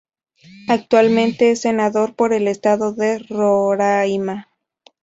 Actualmente es senador por el estado de Roraima.